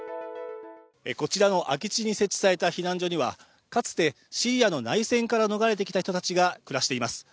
こちらの空き地に設置された避難所にはかつてシリアの内戦から逃れてきた人たちが暮らしています。